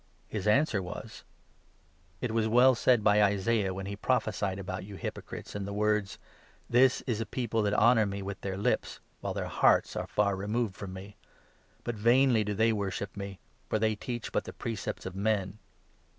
" His answer was :" It was well said by Isaiah when he prophesied about you hypocrites in the words —' This is a people that honour me with their lips, While their hearts are far removed from me ; But vainly do they worship me, For they teach but the precepts of men.'